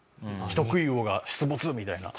「人食い魚が出没！」みたいな。